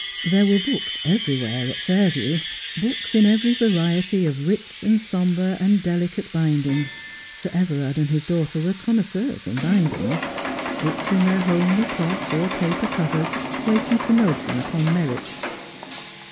There were books everywhere at Fairview — books in every variety of rich, and sombre, and delicate binding — Sir Everard and his daughter were connoisseurs in binding — books in their homely cloth or paper covers, waiting promotion upon merits.